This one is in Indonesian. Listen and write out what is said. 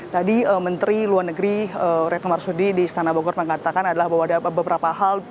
tadi menteri luar negeri retno marsudi di istana bogor mengatakan adalah bahwa ada beberapa hal